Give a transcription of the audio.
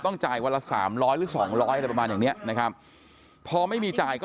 ต้องจ่ายวันละ๓๐๐หรือ๒๐๐ประมาณอย่างนี้นะครับพอไม่มีจ่ายก็